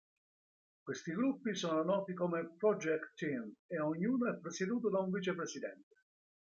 Questi gruppi sono noti come "Project Team" e ognuno è presieduto da un vicepresidente.